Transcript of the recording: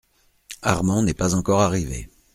Armand n’est pas encore arrivé.